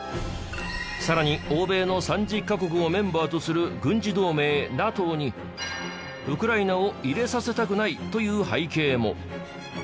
更に欧米の３０カ国をメンバーとする軍事同盟ＮＡＴＯにウクライナを入れさせたくないという背景も。